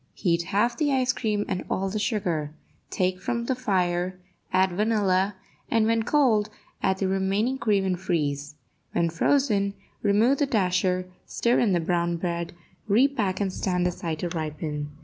Heat half the cream and all the sugar; take from the fire, add vanilla, and, when cold, add the remaining cream, and freeze. When frozen, remove the dasher, stir in the brown bread, repack and stand aside to ripen.